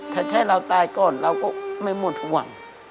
ถ้าเราตายก่อนเราก็ไม่หมดหวัง